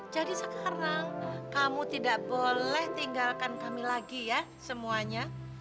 jadi sekarang kamu tidak boleh tinggalkan kami lagi ya semuanya